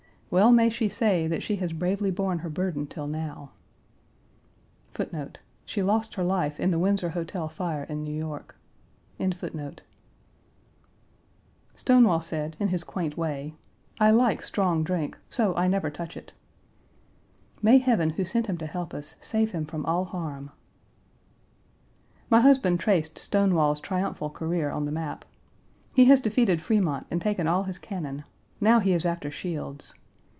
Well may she say that she has bravely borne her burden till now.2 Stonewall said, in his quaint way: "I like strong drink, so I never touch it." May heaven, who sent him to help us, save him from all harm! My husband traced Stonewall's triumphal career on the map. He has defeated Frémont and taken all his cannon; now he is after Shields.